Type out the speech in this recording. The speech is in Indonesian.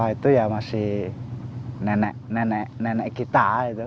itu ya masih nenek nenek kita